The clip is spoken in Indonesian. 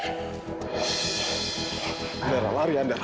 andara lari andara